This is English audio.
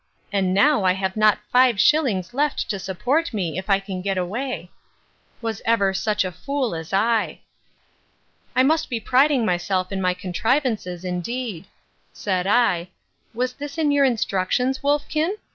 —And now I have not five shillings left to support me, if I can get away.—Was ever such a fool as I! I must be priding myself in my contrivances, indeed! said I. Was this your instructions, wolfkin?